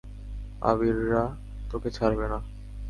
আভিররা তোকে ছাড়বে না।